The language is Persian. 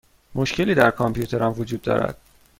مشکلی در کامپیوترم وجود دارد.